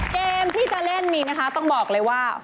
เกมที่จะเล่นนี้นะคะต้องบอกเลยว่า